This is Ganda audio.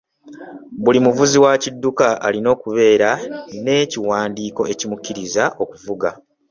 Buli muvuzi wa kidduka alina okubeera n'ekiwandiiko ekimukkiriza okuvuga.